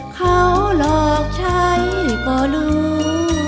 เขาหลอกใช้ก็รู้